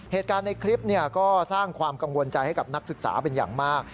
เหตุการณ์ในคลิปก็สร้างความกังวลใจให้กับนักศึกษาเป็นอย่างมาก